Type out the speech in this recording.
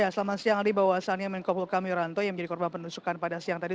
selamat siang tadi bahwasannya menkopol hukam wiranto yang menjadi korban penunjukan pada siang tadi